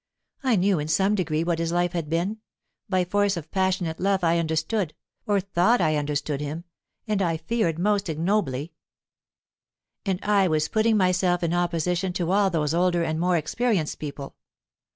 I knew in some degree what his life had been; by force of passionate love I understood, or thought I understood him; and I feared most ignobly. "And I was putting myself in opposition to all those older and more experienced people.